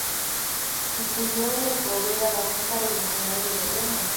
Sustituyó en el poder a la Junta Revolucionaria de Gobierno.